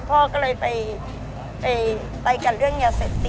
พ่อก็เลยไปกันเรื่องยาเสพติด